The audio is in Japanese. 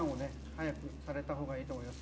早くされた方がいいと思います。